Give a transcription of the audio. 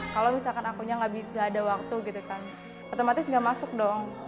kalau misalkan akunya gak ada waktu gitu kan otomatis nggak masuk dong